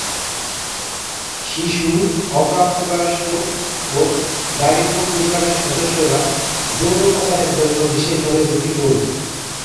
শিশু, অপ্রাপ্তবয়স্ক ও দারিদ্র্য পরিবারের সদস্যরা যৌন পাচারের জন্য বিশেষভাবে ঝুঁকিপূর্ণ।